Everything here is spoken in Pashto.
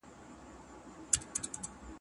پرېږده، چې مخامخ یې پوښتمه: